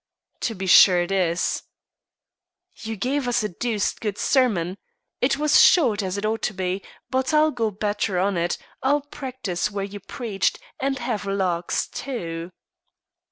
"To be sure it is." "You gave us a deuced good sermon. It was short, as it ought to be; but I'll go better on it, I'll practise where you preached, and have larks, too!"